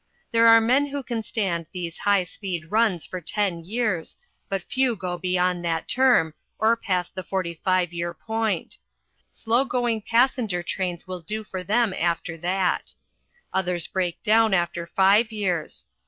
There are men who can stand these high speed runs for ten years, but few go beyond that term, or past the forty five year point. Slow going passenger trains will do for them after that. Others break down after five years.